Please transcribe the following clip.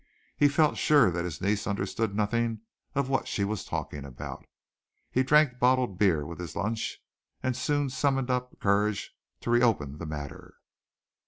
He felt sure that his niece understood nothing of what she was talking about. He drank bottled beer with his lunch, and soon summoned up courage to reopen the matter.